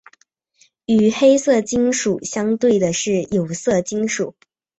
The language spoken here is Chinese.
与黑色金属相对的是有色金属。